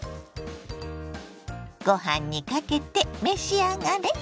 ご飯にかけて召し上がれ。